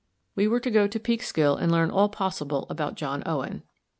We were to go to Peekskill and learn all possible about John Owen.